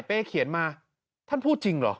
เป้เขียนมาท่านพูดจริงเหรอ